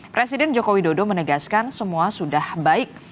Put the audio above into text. presiden joko widodo menegaskan semua sudah baik